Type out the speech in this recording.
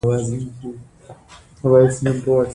ازادي راډیو د ورزش په اړه د خلکو پوهاوی زیات کړی.